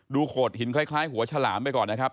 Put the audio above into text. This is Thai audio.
โขดหินคล้ายหัวฉลามไปก่อนนะครับ